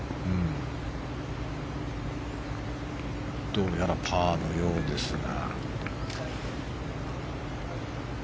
どうやらパーのようですが。